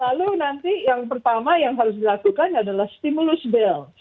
lalu nanti yang pertama yang harus dilakukan adalah stimulus bell